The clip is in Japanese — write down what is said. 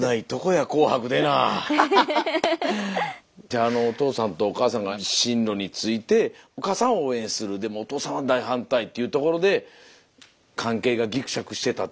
じゃあお父さんとお母さんが進路についてお母さんは応援するでもお父さんは大反対っていうところで関係がぎくしゃくしてたっていうのはご存じでした？